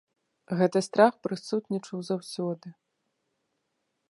Гэты страх прысутнічаў заўсёды.